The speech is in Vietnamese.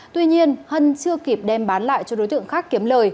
tuy nhiên hân chưa kịp đem bán lại cho đối tượng khác kiếm lời